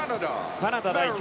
カナダ代表